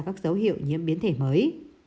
các dấu hiệu nhiễm biến thể mới